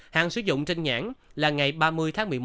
hàng sử dụng trên nhãn là ngày ba mươi tháng một mươi một